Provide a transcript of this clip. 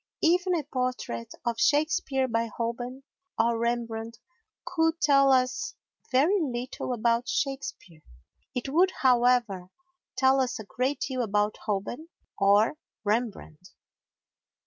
Even a portrait of Shakespeare by Holbein or Rembrandt could tell us very little about Shakespeare. It would, however, tell us a great deal about Holbein or Rembrandt.